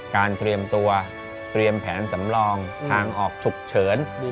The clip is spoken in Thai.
เตรียมตัวเตรียมแผนสำรองทางออกฉุกเฉิน